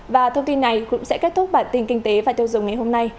và thông tin này cũng sẽ kết thúc bản tin kinh tế và tiêu dùng ngày hôm nay